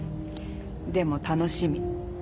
でも楽しみ。